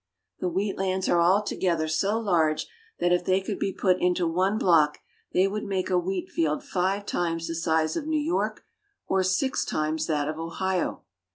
The wheat lands are all together so large that if they could be put into one block they would make a wheatfield five times the size of New York, or six times that of Ohio.